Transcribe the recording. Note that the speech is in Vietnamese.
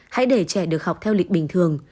hãy để trẻ được học theo lịch bình thường